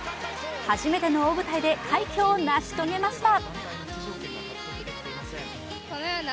初めての大舞台で快挙を成し遂げました。